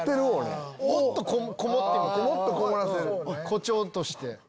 誇張として。